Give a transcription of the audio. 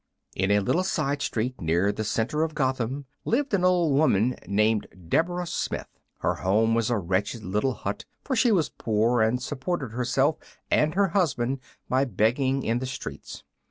In a little side street near the center of Gotham lived an old woman named Deborah Smith. Her home was a wretched little hut, for she was poor, and supported herself and her husband by begging in the streets.